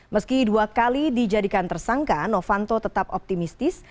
meski dua kali dijadikan tersangka novanto tetap optimistis